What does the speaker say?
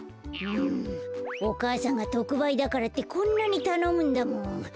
うんおかあさんがとくばいだからってこんなにたのむんだもん。